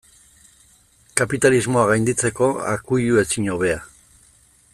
Kapitalismoa gainditzeko akuilu ezin hobea.